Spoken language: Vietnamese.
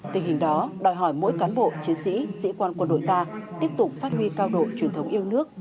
tình hình đó đòi hỏi mỗi cán bộ chiến sĩ sĩ quan quân đội ta tiếp tục phát huy cao độ truyền thống yêu nước